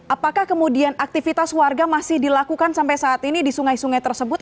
apakah kemudian aktivitas warga masih dilakukan sampai saat ini di sungai sungai tersebut